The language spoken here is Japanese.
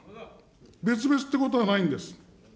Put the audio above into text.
別々ってことはないんです。